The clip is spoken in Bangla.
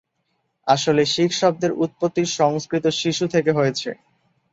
আসলে শিখ শব্দের উৎপত্তি সংস্কৃত 'শিশু' থেকে হয়েছে।